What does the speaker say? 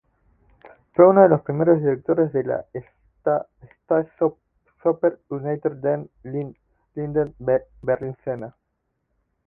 Fue uno de los primeros directores de la Staatsoper Unter den Linden berlinesa.